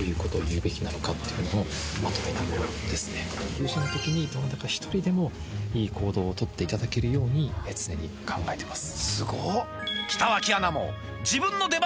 有事の時にどなたか１人でもいい行動をとっていただけるように常に考えてます。